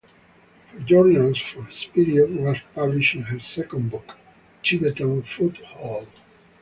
Her journals from this period were published in her second book, "Tibetan Foothold".